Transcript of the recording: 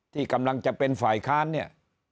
ที่กำลังจะเป็นฝ่ายค้านเนี่ย